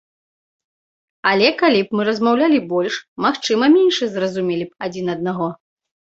Але калі б мы размаўлялі больш, магчыма менш зразумелі б адзін аднаго.